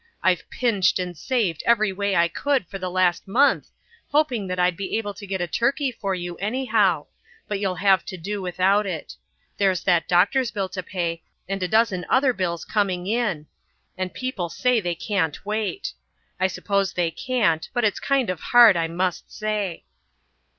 I've pinched and saved every way I could for the last month, hoping that I'd be able to get a turkey for you anyhow, but you'll have to do without it. There's that doctor's bill to pay and a dozen other bills coming in and people say they can't wait. I suppose they can't, but it's kind of hard, I must say."